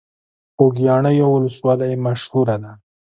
خوږیاڼیو ولسوالۍ مشهوره ده؟